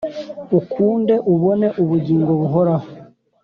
ukunde ubone ubugingo buhoraho